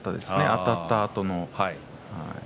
あたったあと。